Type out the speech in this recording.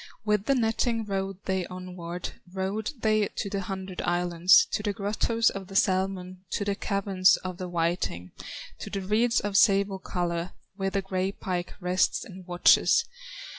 With the netting rowed they onward, Rowed they to the hundred islands, To the grottoes of the salmon, To the caverns of the whiting, To the reeds of sable color, Where the gray pike rests and watches.